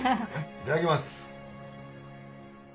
いただきます。